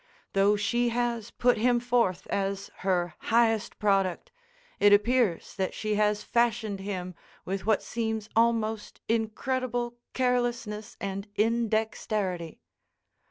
Though she has put him forth as her highest product, it appears that she has fashioned him with what seems almost incredible carelessness and indexterity.